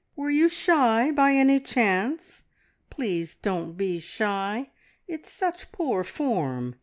Were you shy, by any chance? Please don't be shy; it's such poor form!"